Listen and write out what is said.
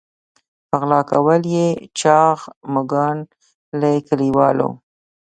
غلا کول یې چاغ مږان له کلیوالو.